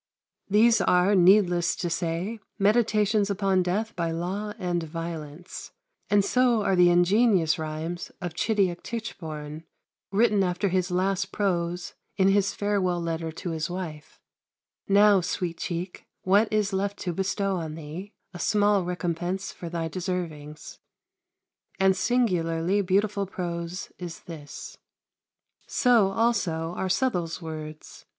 These are, needless to say, meditations upon death by law and violence; and so are the ingenious rhymes of Chidiock Tichborne, written after his last prose in his farewell letter to his wife "Now, Sweet cheek, what is left to bestow on thee, a small recompense for thy deservings" and singularly beautiful prose is this. So also are Southwell's words.